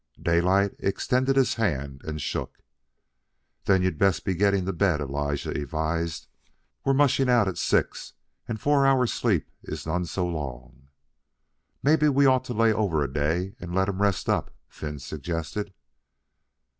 Daylight extended his hand and shook. "Then you'd best be gettin' to bed," Elijah advised. "We're mushin' out at six, and four hours' sleep is none so long." "Mebbe we ought to lay over a day and let him rest up," Finn suggested.